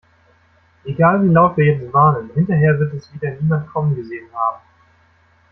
Egal wie laut wir jetzt warnen, hinterher wird es wieder niemand kommen gesehen haben.